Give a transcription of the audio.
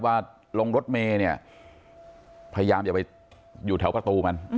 ว่าลงรถเมย์เนี่ยพยายามอย่าไปอยู่แถวประตูมัน